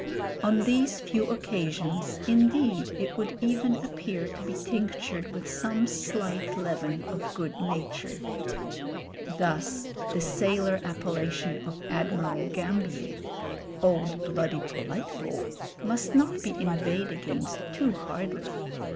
On these few occasions indeed it would even appear to be tinctured with some slight leaven of good nature. Thus, the sailor appellation of Admiral Gambier "old bloody Politeful" must not be inveighed against too hardly.